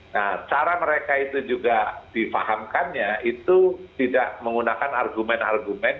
nah cara mereka itu juga difahamkannya itu tidak menggunakan argumen argumen